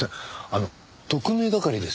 あの特命係です。